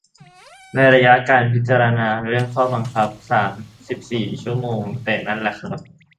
ในระยะการพิจารณาเรื่องข้อบังคับ สามสิบสี่ ชั่วโมง แต่นั้นแหละครับ